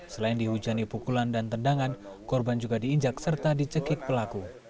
selain dihujani pukulan dan tendangan korban juga diinjak serta dicekik pelaku